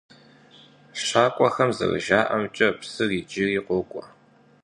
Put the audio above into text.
ЩакӀуэхэм зэрыжаӀэмкӀэ, псыр иджыри къокӀуэ.